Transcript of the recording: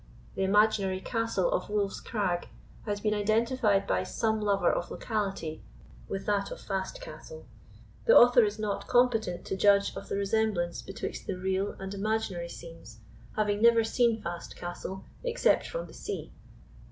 The imaginary castle of Wolf's Crag has been identified by some lover of locality with that of Fast Castle. The Author is not competent to judge of the resemblance betwixt the real and imaginary scenes, having never seen Fast Castle except from the sea.